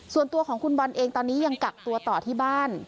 ส่วนตัวของคุณบอลเองตอนนี้ยังกักตัวต่อที่บ้าน